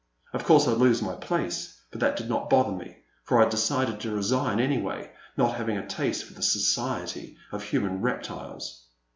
Of course I 'd lose my place, but that did not bother me, for I had decided to resign anyway, not having a taste for the society of human reptiles.